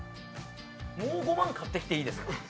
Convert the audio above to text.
もう５万買ってきていいですか。